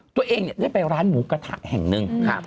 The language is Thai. ตัวเองได้ไปร้านหมูกระทะแห่งหนึ่ง